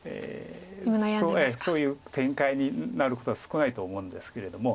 そういう展開になることは少ないと思うんですけれども。